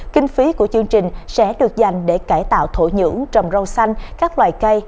kinh phí của chương trình sẽ được dành để cải tạo thổ nhưỡng trồng rau xanh các loài cây